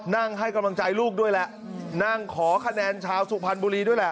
นั่งให้กำลังใจลูกด้วยแหละนั่งขอคะแนนชาวสุพรรณบุรีด้วยแหละ